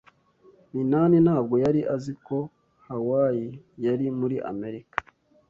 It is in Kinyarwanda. Minani ntabwo yari azi ko Hawaii yari muri Amerika.